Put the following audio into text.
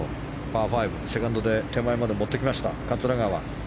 パー５、セカンドで手前まで持ってきました桂川。